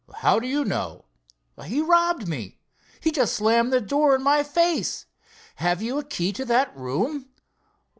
"How do you know?" "He robbed me. He just slammed the door in my face. Have you a key to that room?"